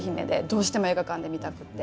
どうしても映画館で見たくて。